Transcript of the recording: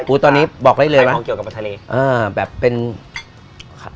ฟู้ดตอนนี้บอกไรเลยวะฮาร์โครงเกี่ยวกับทะเลอ่าแบบเป็นขัด